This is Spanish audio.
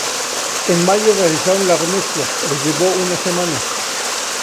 En mayo realizaron las remezclas: les llevó una semana.